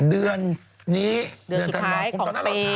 เดือนนี้เดือนจริงท้ายของเฟย์